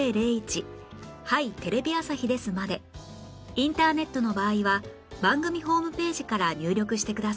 インターネットの場合は番組ホームページから入力してください